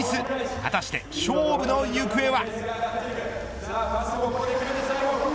果たして勝負の行方は。